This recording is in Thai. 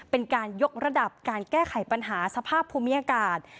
เป็นการยกระดับการแก้ไขปัญหาสภาพภูมิอากาศ